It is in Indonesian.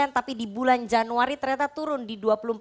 tapi di bulan januari ternyata turun di dua puluh empat